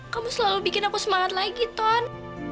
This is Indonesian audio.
kamu selalu bikin aku semangat lagi tuan